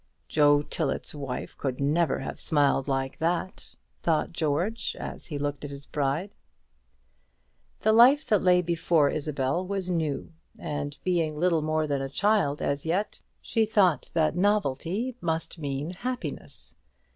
"Joe Tillet's wife could never have smiled like that," thought George, as he looked at his bride. The life that lay before Isabel was new; and, being little more than a child as yet, she thought that novelty must mean happiness.